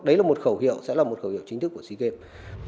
đấy là một khẩu hiệu sẽ là một khẩu hiệu chính thức của sea games